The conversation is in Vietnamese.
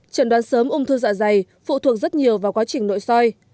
trần đoán sớm ung thư dạ dày phụ thuộc rất nhiều vào quá trình nội soi